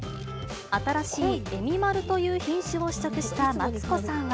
新しいえみまるという品種を試食したマツコさんは。